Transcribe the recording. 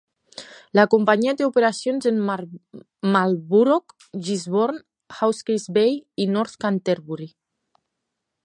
La companyia té operacions en Marlborough, Gisborne, Hawke's Bay i North Canterbury.